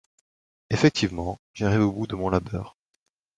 Effectivement, j’arrive au bout de mon labeur.